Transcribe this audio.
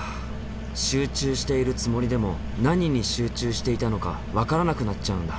集中しているつもりでも何に集中していたのか分からなくなっちゃうんだ。